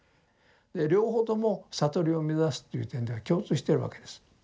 両方とも悟りを目指すという点では共通してるわけです。